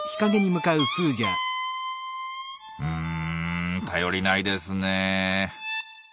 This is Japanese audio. うん頼りないですねえ。